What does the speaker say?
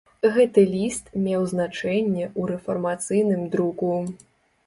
Гэты ліст меў значэнне ў рэфармацыйным друку.